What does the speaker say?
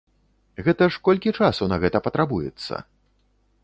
Гэта ж колькі часу на гэта патрабуецца?